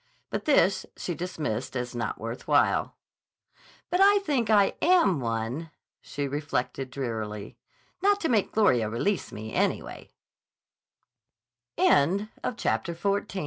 But this she dismissed as not worth while. "But I think I am one," she reflected drearily, "not to make Gloria release me, anywa